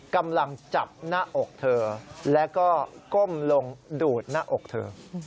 กำลังจับหน้าอกเธอแล้วก็ก้มลงดูดหน้าอกเธอ